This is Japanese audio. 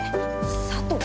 佐藤？